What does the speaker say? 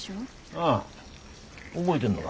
ああ覚えでんのが。